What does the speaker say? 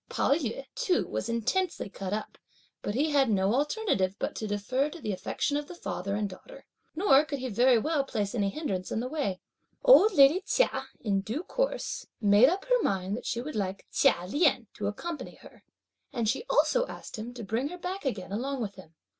Pao yü too was intensely cut up, but he had no alternative but to defer to the affection of father and daughter; nor could he very well place any hindrance in the way. Old lady Chia, in due course, made up her mind that she would like Chia Lien to accompany her, and she also asked him to bring her back again along with him.